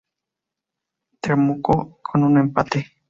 Temuco con un empate.